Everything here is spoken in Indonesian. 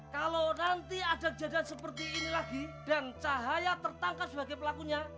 kalau nanti ada kejadian seperti ini lagi dan cahaya tertangkap sebagai pelakunya